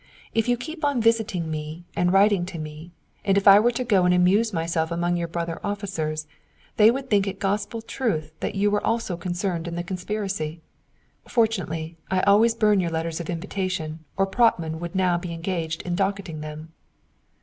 If you keep on visiting me and writing to me, and if I were to go and amuse myself among your brother officers, they would think it gospel truth that you were also concerned in the conspiracy. Fortunately, I always burn your letters of invitation, or Prottman would now be engaged in docketting them."